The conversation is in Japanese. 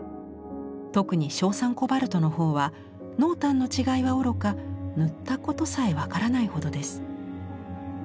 特に硝酸コバルトのほうは濃淡の違いはおろか塗ったことさえ分からないほどです。